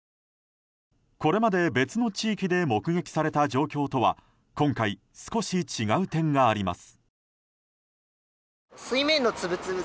これまで別の地域で目撃された状況とは今回、少し違う点があります。